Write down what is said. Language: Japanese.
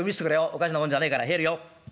おかしなもんじゃねえから入るよ。